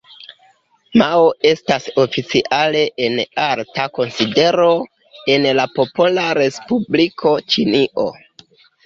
Mao estas oficiale en alta konsidero en la Popola Respubliko Ĉinio.